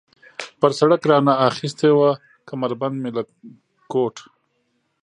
پر سړک را نه اخیستې وه، کمربند مې له کوټ.